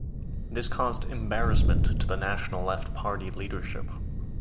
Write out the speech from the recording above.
This caused embarrassment to the national Left Party leadership.